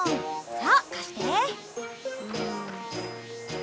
さあ貸して。